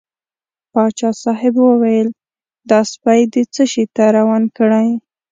پاچا صاحب وویل دا سپی دې څه شي ته روان کړی.